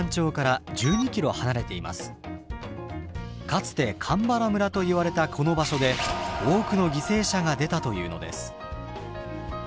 かつて鎌原村といわれたこの場所で多くの犠牲者が出たというのです。